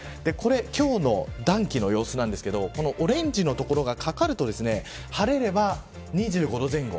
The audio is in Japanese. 今日の暖気の様子なんですけどオレンジの所がかかると晴れれば２５度前後。